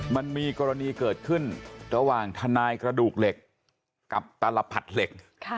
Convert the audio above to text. มันมีกรณีเกิดขึ้นระหว่างทนายกระดูกเหล็กกับตลผัดเหล็ก